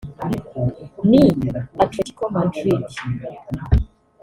ni Atletico Madrid